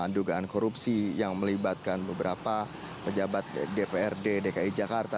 dugaan korupsi yang melibatkan beberapa pejabat dprd dki jakarta